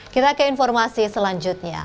kita ke informasi selanjutnya